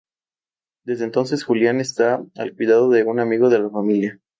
Desde entonces Julian está al cuidado de un amigo de la familia.